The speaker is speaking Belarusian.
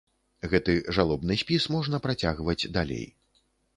Гэты жалобны спіс можна працягваць далей.